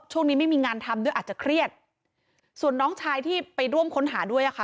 ไม่มีงานทำด้วยอาจจะเครียดส่วนน้องชายที่ไปร่วมค้นหาด้วยอ่ะค่ะ